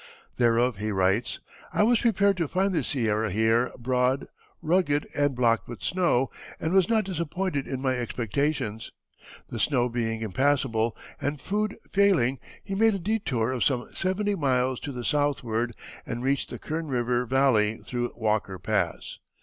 Thereof he writes: "I was prepared to find the Sierra here broad, rugged, and blocked with snow, and was not disappointed in my expectations." The snow being impassable and food failing he made a detour of some seventy miles to the southward and reached the Kern River Valley through Walker Pass.